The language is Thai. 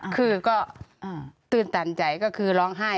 คือก็ตื่นตันใจก็คือร้องไห้